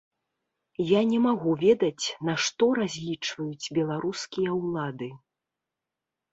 Я не магу ведаць на што разлічваюць беларускія ўлады.